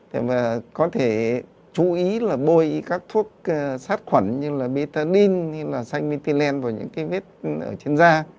thì có thể chú ý là bôi các thuốc sát khuẩn như là betaline hay là xanh mytilene vào những cái vết ở trên da